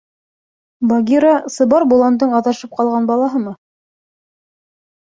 Багира — сыбар боландың аҙашып ҡалған балаһымы?